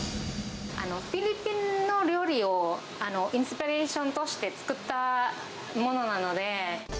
フィリピンの料理をインスピレーションとして作ったものなので。